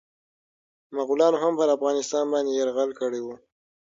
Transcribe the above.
مغولانو هم پرافغانستان باندي يرغل کړی و.